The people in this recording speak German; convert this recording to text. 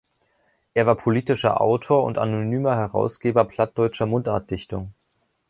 Er war politischer Autor und anonymer Herausgeber plattdeutscher Mundartdichtung.